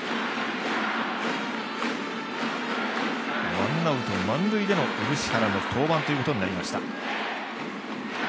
ワンアウト、満塁での漆原の登板ということになりました。